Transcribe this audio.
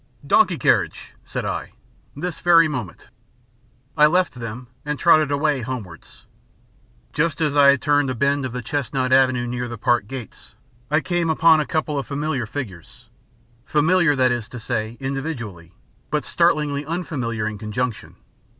"Donkey carriage," said I. "This very moment minute." I left them and trotted away homewards. Just as I had turned a bend of the chestnut avenue near the Park gates, I came upon a couple of familiar figures familiar, that is to say, individually, but startlingly unfamiliar in conjunction.